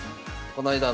こないだ